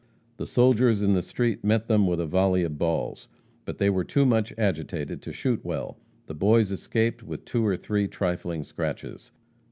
The soldiers in the street met them with a volley of balls. But they were too much agitated to shoot well. The boys escaped with two or three trifling scratches.